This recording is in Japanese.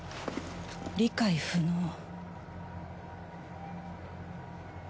理解不能。